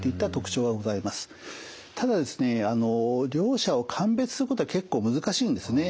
ただですね両者を鑑別することは結構難しいんですね。